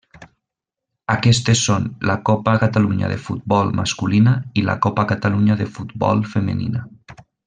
Aquestes són la Copa Catalunya de futbol masculina i la Copa Catalunya de futbol femenina.